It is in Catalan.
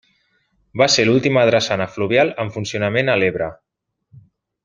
Va ser l'última drassana fluvial en funcionament a l'Ebre.